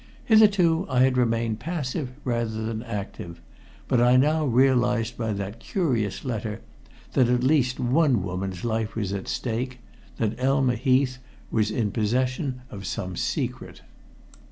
Hitherto I had remained passive rather than active, but I now realized by that curious letter that at least one woman's life was at stake that Elma Heath was in possession of some secret.